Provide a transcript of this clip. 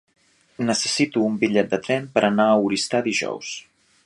Necessito un bitllet de tren per anar a Oristà dijous.